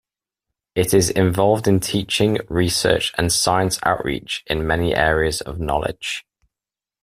It is involved in teaching, research and science outreach in many areas of knowledge.